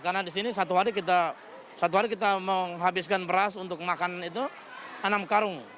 karena di sini satu hari kita menghabiskan beras untuk makanan itu enam karung